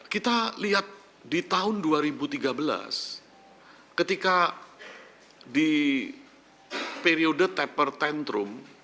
kita lihat di tahun dua ribu tiga belas ketika di periode taper tentrum